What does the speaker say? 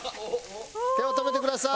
手を止めてください。